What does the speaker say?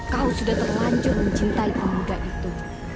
kau sudah terlanjur mencintai pemuda itu